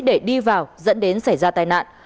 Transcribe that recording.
để đi vào dẫn đến xảy ra tai nạn